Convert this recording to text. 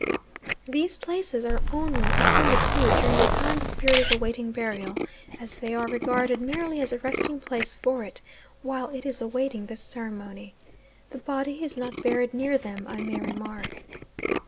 These places are only attended to during the time the spirit is awaiting burial, as they are regarded merely as a resting place for it while it is awaiting this ceremony. The body is not buried near them, I may remark.